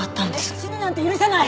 死ぬなんて許さない！